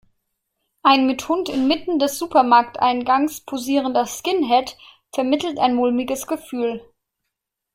Ein mit Hund in Mitten des Supermarkteingangs posierender Skinhead vermittelt ein mulmiges Gefühl.